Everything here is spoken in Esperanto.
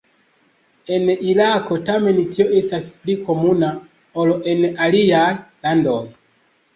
En Irako tamen tio estas pli komuna ol en aliaj landoj.